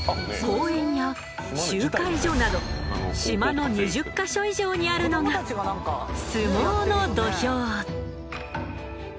公園や集会所など島の２０ヵ所以上にあるのが相撲の土俵。